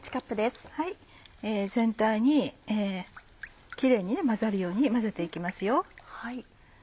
全体にキレイに混ざるように混ぜて行きますよ。